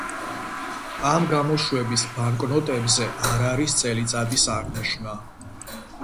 ამ გამოშვების ბანკნოტებზე არ არის წელიწადის აღნიშვნა.